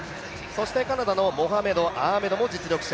カナダのモハメド・アーメドも実力者。